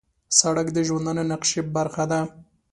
سړک د ژوندانه نقشې برخه ده.